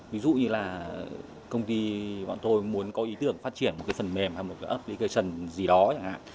ví dụ như là công ty bọn tôi muốn có ý tưởng phát triển một cái phần mềm hay một cái app ekation gì đó chẳng hạn